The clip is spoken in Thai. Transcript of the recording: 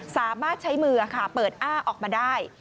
สามารถใช้มือค่ะเปิดอ้าออกมาได้